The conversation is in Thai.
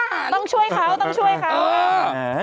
ต้องช่วยเขาต้องช่วยเขา